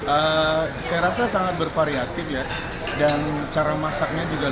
saya rasa sangat bervariatif ya dan cara masaknya juga luar biasa